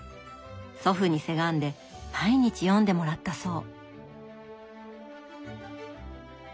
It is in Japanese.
祖父にせがんで毎日読んでもらったそう。